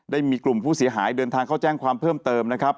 ได้มีกลุ่มผู้เสียหายเดินทางเข้าแจ้งความเพิ่มเติมนะครับ